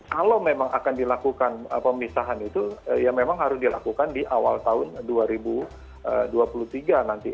kalau memang akan dilakukan pemisahan itu ya memang harus dilakukan di awal tahun dua ribu dua puluh tiga nanti